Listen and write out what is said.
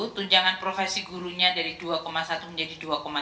tunjangan profesi gurunya dari dua satu menjadi dua tiga